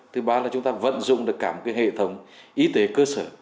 thứ ba là chúng ta vận dụng được cả một hệ thống y tế cơ sở